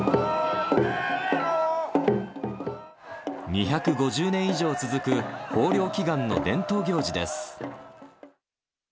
２５０年以上続く豊漁祈願の伝統行事です。